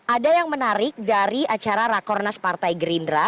ada yang menarik dari acara rakornas partai gerindra